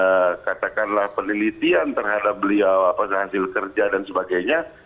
ada katakanlah penelitian terhadap beliau apa hasil kerja dan sebagainya